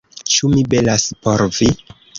Ĉu mi belas por vi?